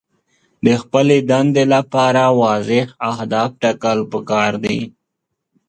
د خپلې دندې لپاره واضح اهداف ټاکل پکار دي.